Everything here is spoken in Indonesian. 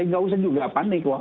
tidak usah juga panik